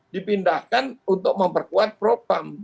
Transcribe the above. dipindahkan untuk memperkuat propam